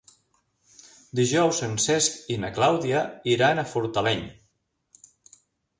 Dijous en Cesc i na Clàudia iran a Fortaleny.